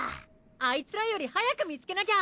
アイツらより早く見つけなきゃ！